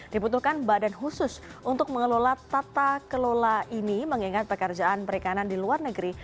dibutuhkan badan khusus untuk mengelola tata kelola ini mengingat pekerjaan perikanan di luar negeri